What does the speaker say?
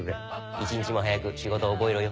一日も早く仕事覚えろよ。